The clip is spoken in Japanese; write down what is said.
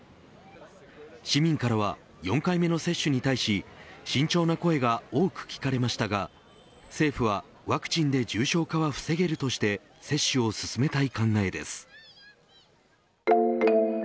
市民からは４回目の接種に対し慎重な声が多く聞かれましたが政府はワクチンで重症化は防げるとして接種を進めたい考えです。